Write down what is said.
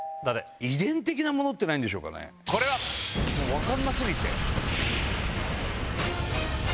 分かんな過ぎて。